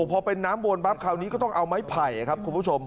พอเป็นน้ำวนปั๊บคราวนี้ก็ต้องเอาไม้ไผ่ครับคุณผู้ชม